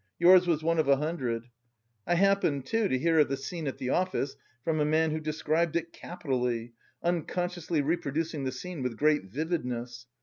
Yours was one of a hundred. I happened, too, to hear of the scene at the office, from a man who described it capitally, unconsciously reproducing the scene with great vividness.